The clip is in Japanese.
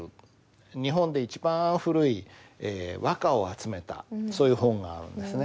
日本で一番古い和歌を集めたそういう本があるんですね。